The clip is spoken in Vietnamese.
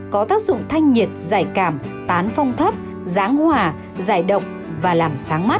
có tác dụng thanh nhiệt giải cảm tán phong thấp giáng hòa giải độc và làm sáng mắt